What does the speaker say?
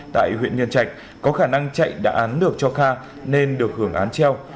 tại huyện nhân trạch có khả năng chạy đã án được cho kha nên được hưởng án treo